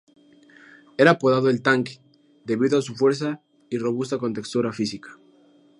Era apodado ""El Tanque"", debido a su fuerza y robusta contextura física.